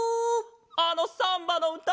あのサンバのうた？